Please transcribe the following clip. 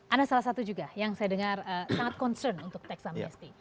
ada salah satu juga yang saya dengar sangat concern untuk teks amnesty